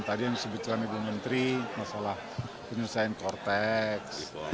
tadi yang disebutkan ibu menteri masalah penyelesaian kortex